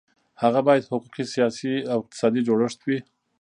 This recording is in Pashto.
هغه باید حقوقي، سیاسي او اقتصادي جوړښت وي.